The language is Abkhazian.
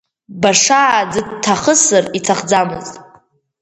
Башааӡыдҭахысыр иҭахӡамызт.